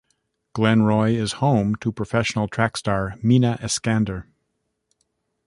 Glenroy is home to professional track star Mina Eskander.